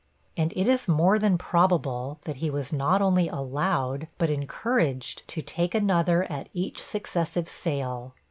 And it is more than probable, that he was not only allowed but encouraged to take another at each successive sale.